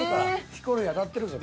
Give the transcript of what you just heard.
ヒコロヒー当たってるから。